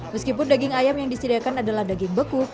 meskipun daging ayam yang disediakan adalah daging beku